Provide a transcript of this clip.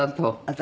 私？